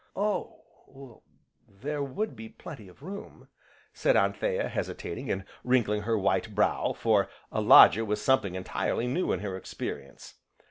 "Oh, there would be plenty of room," said Anthea, hesitating, and wrinkling her white brow, for a lodger was something entirely new in her experience.